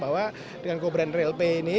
bahwa dengan co brand rlp ini